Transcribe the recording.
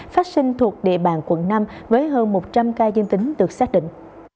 phát sinh thuộc địa bàn quận năm với hơn một trăm linh ca dương tính được xác định